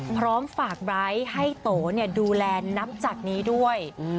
พร้อมฝากไบร์ทให้โตดูแลนับจากนี้ด้วย